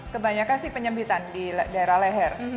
kebanyakan sih penyempitan di daerah leher